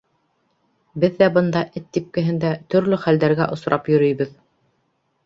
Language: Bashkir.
Беҙ ҙә бында эт типкеһендә, төрлө хәлдәргә осрап йөрөйбөҙ.